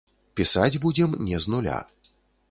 Пісаць будзем не з нуля.